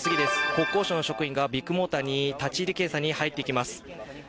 国交省の職員がビッグモーターに立ち入り検査に入っていきます。